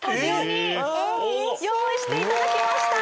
用意していただきました。